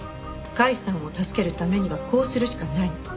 甲斐さんを助けるためにはこうするしかないの。